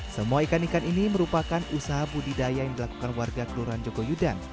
semua ikan ikan ini merupakan usaha budidaya yang dilakukan warga kelurahan jogoyudan